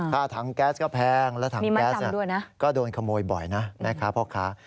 ถังแก๊สก็แพงและถังแก๊สก็โดนขโมยบ่อยนะแม่ค้าพ่อค้า